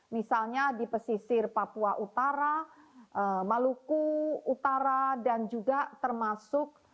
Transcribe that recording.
misalnya di pesisir papua utara maluku utara dan juga termasuk